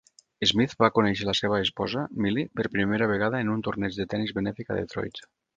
Smith va conèixer la seva esposa, Millie, per primera vegada en un torneig de tennis benèfic a Detroit.